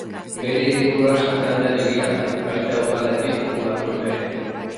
Bere hiriburua Santander hiria da, baita udalerri populatuena ere.